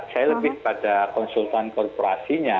saya lebih pada konsultan korporasinya